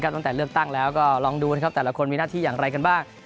ตั้งแต่เลือกตั้งแล้วก็ลองดูนะครับแต่ละคนมีหน้าที่อย่างไรกันบ้าง